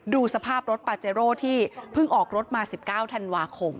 ดูสภาพรถปาเจโร่ที่เพิ่งออกรถมา๑๙ธันวาคม